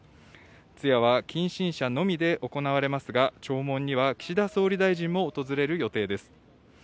通夜は近親者のみで行われますが、弔問には岸田総理大臣も訪れる予定です。